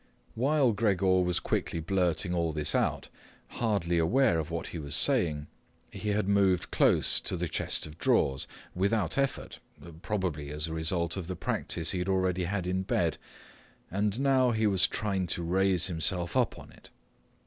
While Gregor was quickly blurting all this out, hardly aware of what he was saying, he had moved close to the chest of drawers without effort, probably as a result of the practice he had already had in bed, and now he was trying to raise himself up on it.